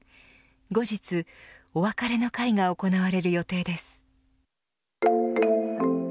後日、お別れの会が行われる予定です。